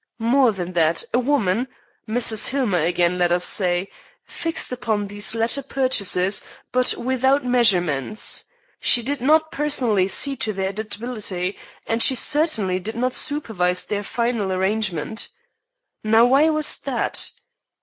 More than that, a woman Mrs. Hillmer again, let us say fixed upon these latter purchases, but without measurements. She did not personally see to their adaptability, and she certainly did not supervise their final arrangement. Now, why was that?